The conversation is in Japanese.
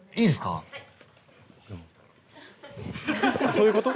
そういうこと？